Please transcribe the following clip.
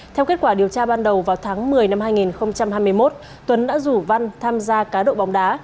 theo kết quả điều tra ban đầu vào tháng một mươi năm hai nghìn hai mươi một tuấn đã rủ văn tham gia cá độ bóng đá